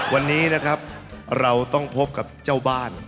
วันนี้นะครับเราต้องพบกับเจ้าบ้าน